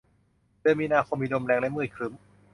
เดือนมีนาคมมีลมแรงและมืดครึ้ม